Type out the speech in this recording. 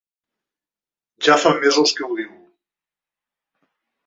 Ja fa mesos que ho diu.